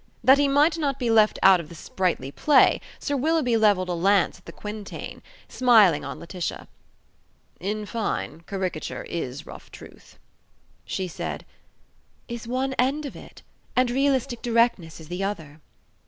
That he might not be left out of the sprightly play, Sir Willoughby levelled a lance at the quintain, smiling on Laetitia: "In fine, caricature is rough truth." She said, "Is one end of it, and realistic directness is the other."